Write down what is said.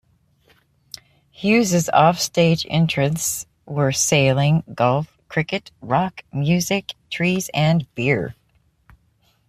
Hughes' off-stage interests were sailing, golf, cricket, rock music, trees and beer.